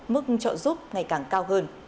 mức trợ giúp ngày càng cao hơn